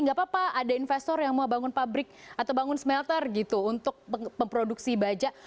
gak apa apa ada investor yang mau bangun pabrik atau bangun smelter gitu untuk memproduksi baja